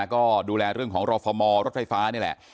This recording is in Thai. ก็ดูแลเรื่องของรอฟมรถไฟฟ้านี่แหละ